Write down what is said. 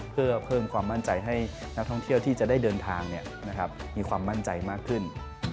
เพื่อเพิ่มความมั่นใจให้นักท่องเที่ยวที่จะได้เดินทางมีความมั่นใจมากขึ้น